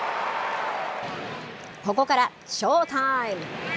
ここからショータイム！